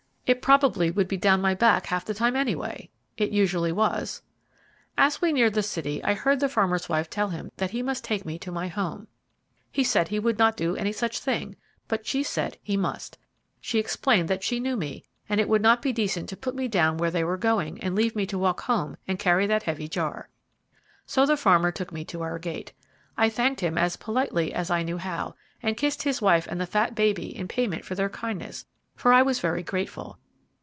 It probably would be down my back half the time anyway. It usually was. As we neared the city I heard the farmer's wife tell him that he must take me to my home. He said he would not do any such a thing, but she said he must. She explained that she knew me, and it would not be decent to put me down where they were going, and leave me to walk home and carry that heavy jar. So the farmer took me to our gate. I thanked him as politely as I knew how, and kissed his wife and the fat baby in payment for their kindness, for I was very grateful.